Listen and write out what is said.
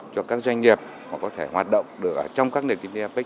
cho các doanh nghiệp có thể hoạt động trong các nền kinh tế apec